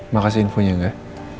makasih infonya gak